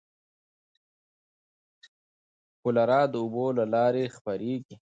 کولرا د اوبو له لارې خپرېږي.